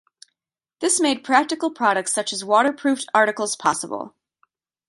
This made practical products such as waterproofed articles possible.